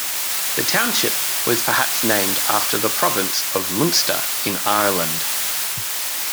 The township was perhaps named after the province of Munster in Ireland.